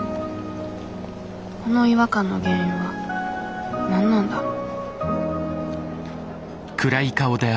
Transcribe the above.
この違和感の原因は何なんだろう